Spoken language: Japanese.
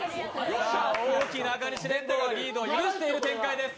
大木・中西連合がリードを許している展開です。